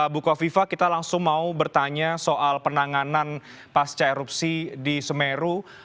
bu kofifa kita langsung mau bertanya soal penanganan pasca erupsi di semeru